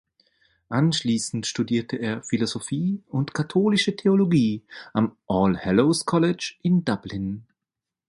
Anschließend studierte er Philosophie und Katholische Theologie am "All Hallows College" in Dublin.